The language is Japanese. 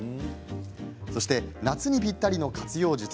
そして、夏にぴったりの活用術。